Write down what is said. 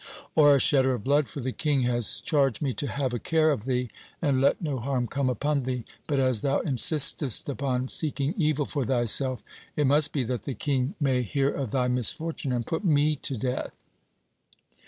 Or a shedder of blood for the king has charged me to have a care of thee, and let no harm come upon thee, but as thou insistest upon seeking evil for thyself, it must be that the king may hear of thy misfortune, and put me to death."